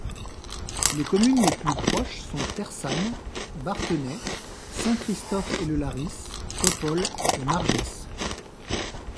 Les communes les plus proches sont Tersanne, Bathernay, Saint-Christophe-et-le-Laris, Crépol et Margès.